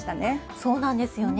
そうなんですよね。